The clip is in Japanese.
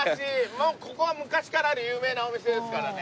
もうここは昔からある有名なお店ですからね。